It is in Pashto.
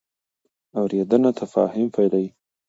اورېدنه تفاهم پیلوي.